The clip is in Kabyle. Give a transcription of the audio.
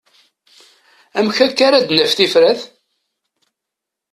Amek akka ara d-naf tifrat?